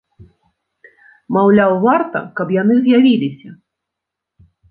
Маўляў, варта, каб яны з'явіліся.